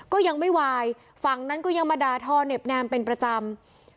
ก็ยังไม่วายฝั่งนั้นก็ยังมาด่าทอเน็บแนมเป็นประจำ